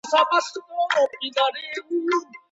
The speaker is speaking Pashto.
تدریسي نصاب په غلطه توګه نه تشریح کیږي.